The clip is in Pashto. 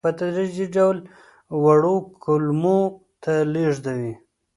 په تدریجي ډول وړو کولمو ته لېږدوي.